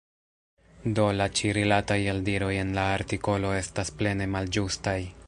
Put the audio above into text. Do la ĉi-rilataj eldiroj en la artikolo estas plene malĝustaj.